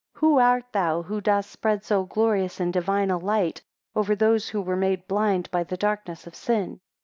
8 Who art thou, who dost spread so glorious and divine a light over those who were made blind by the darkness of sin?